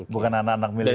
bukan anak anak milenial